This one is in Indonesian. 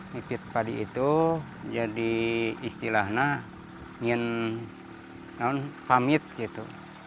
nipit padi itu jadi istilahnya ngin namun pamit gitu